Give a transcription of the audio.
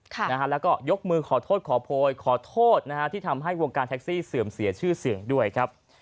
แล้วก็ยกมือขอโทษขอโพยขอโทษนะฮะที่ทำให้วงการแท็กซี่เสื่อมเสียชื่อเสียงด้วยครับ